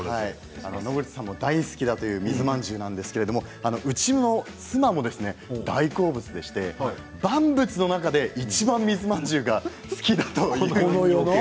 野口さんも大好きだという水まんじゅうなんですがうちの妻も大好物で万物の中で、いちばん水まんじゅうが好きだというほどです。